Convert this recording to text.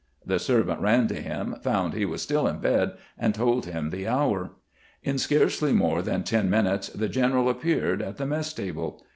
The servant ran to him, found he was still in bed, and told him the hour. In scarcely more than ten minutes the general appeared at the mess table.